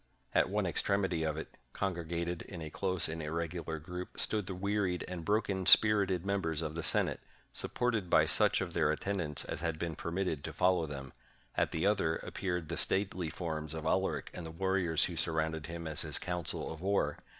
At one extremity of it, con gregated in a close and irregular group, stood the wearied and broken spirited members of the Senate, supported by such of their attendants as had been permitted to follow them; at the other appeared the stately forms of Alaric and the warriors who surrounded him as his council of war.